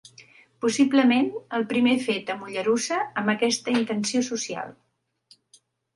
Possiblement el primer fet a Mollerussa amb aquesta intenció social.